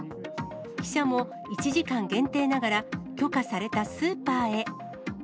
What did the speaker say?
記者も１時間限定ながら、許可されたスーパーへ。